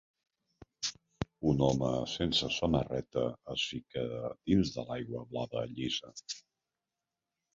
Un home sense samarreta es fica dins de l'aigua blava llisa.